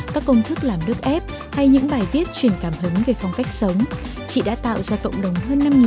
các công thức làm nước ép hay những bài viết chuyển cảm hứng về phong cách sống